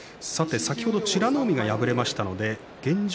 先ほど美ノ海が敗れましたので現状